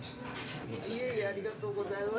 ありがとうございます。